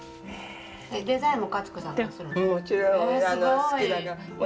デザインもかつ子さんがするの？